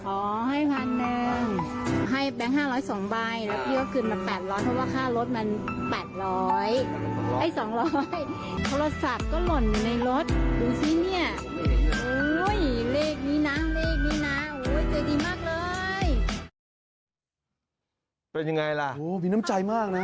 โอ้โหเลขนี้น้ำเลขนี้น้ำ